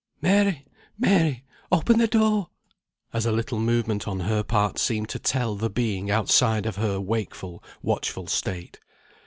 "Mary! Mary! open the door!" as a little movement on her part seemed to tell the being outside of her wakeful, watchful state.